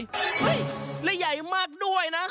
เฮ้ยและใหญ่มากด้วยนะ